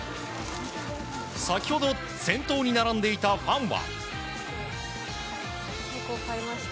先ほど、先頭に並んでいたファンは。